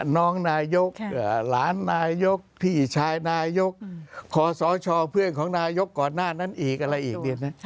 น้องนายกหลานนายกพี่ชายนายกขอสชเพื่อนของนายกก่อนหน้านั้นอีกอะไรอีกเนี่ยนะ